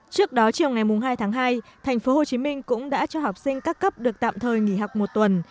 trước đó chiều ngày hai tháng hai thành phố hồ chí minh cũng đã cho học sinh các cấp được tạm thời nghỉ học một tuần